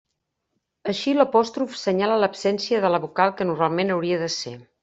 Així, l'apòstrof senyala l'absència de la vocal que normalment hauria de ser.